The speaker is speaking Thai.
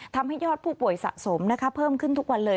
ทำให้ยอดผู้ป่วยสะสมเพิ่มขึ้นทุกวันเลย